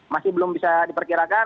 masih belum bisa diperkirakan